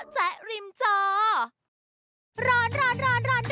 เจ้าแจ๊กริมจอ